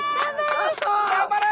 頑張れ！